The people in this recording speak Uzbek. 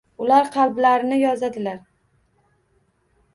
Ular qalblarini yozadilar